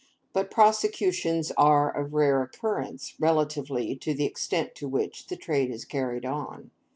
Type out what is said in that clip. But, prosecutions are of rare occurrence, relatively to the extent to which the trade is carried on.